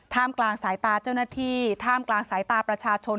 กลางสายตาเจ้าหน้าที่ท่ามกลางสายตาประชาชน